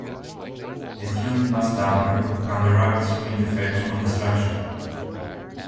A tuned mass damper counteracts wind effects on the structure.